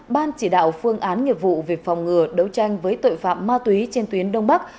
ban chỉ đạo phương án nghiệp vụ về phòng ngừa đấu tranh với tội phạm ma túy trên tuyến đông bắc